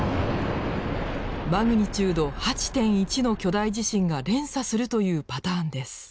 マグニチュード８．１の巨大地震が連鎖するというパターンです。